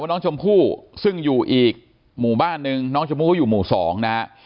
ว่าน้องชมพู่ซึ่งอยู่อีกหมู่บ้านนึงน้องชมพู่อยู่หมู่สอง